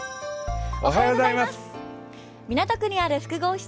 港区にある複合施設